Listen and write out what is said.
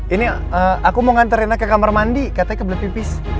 ini aku mau ngantre rena ke kamar mandi katanya ke blipis